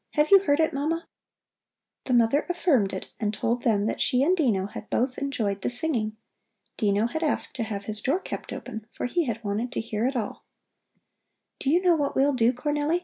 Have you heard it, Mama?" The mother affirmed it and told them that she and Dino had both enjoyed the singing. Dino had asked to have his door kept open, for he had wanted to hear it all. "Do you know what we'll do, Cornelli?"